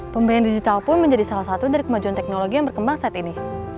pembiayaan digital pun menjadi salah satu dari kemajuan teknologi yang berkembang saat ini